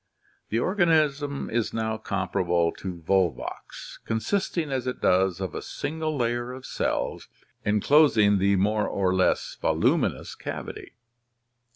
The organism is now comparable to Volvox, consisting as it does of a single layer of cells enclosing the more or less voluminous cavity.